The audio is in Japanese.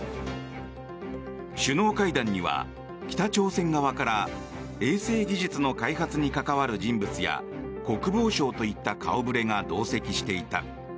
首脳会談には北朝鮮側から衛星技術の開発に関わる人物や国防相といった顔触れが同席していた。